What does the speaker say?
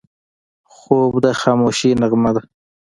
خوب د خاموشۍ نغمه ده